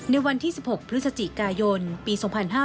ในวันที่๑๖พฤศจิกายนปี๒๕๕๙